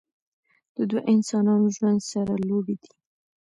د دوه انسانانو ژوند سره لوبې دي